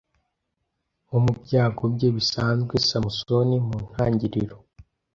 nko mu byago bye bisanzwe, Samson muntangiriro